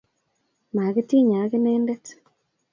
makitiny ak inendet